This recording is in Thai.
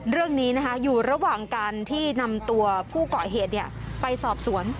เรื่องนี้อยู่ระหว่างการที่นำตัวผู้เกาะเหตุไปสอบสวน